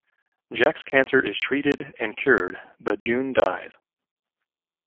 Jack's cancer is treated and cured, but June dies.